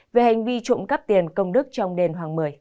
về hành vi trộm cắp tiền công đức trong đền hoàng một mươi